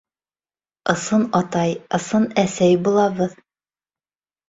Ысын атай, ысын әсәй булабыҙ.